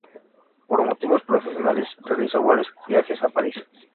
Por motivos profesionales realizó varios viajes a París.